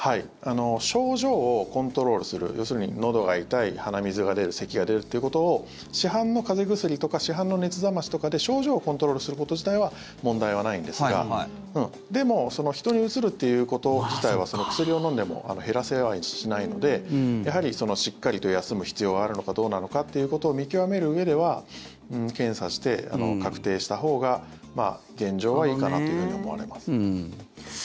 症状をコントロールする要するにのどが痛い鼻水が出るせきが出るということを市販の風邪薬とか市販の熱冷ましとかで症状をコントロールすること自体は問題はないんですがでも人にうつるということ自体は薬を飲んでも減らせはしないのでやはりしっかりと休む必要があるのかどうなのかということを見極めるうえでは検査して、確定したほうが現状はいいかなというふうに思われます。